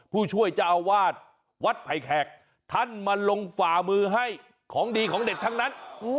ผู้ช่วยเจ้าอาวาสวัดไผ่แขกท่านมาลงฝ่ามือให้ของดีของเด็ดทั้งนั้น